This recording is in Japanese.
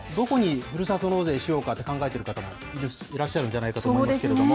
どこにふるさと納税しようかって考えてる方もいらっしゃるんじゃないかと思いますけれども。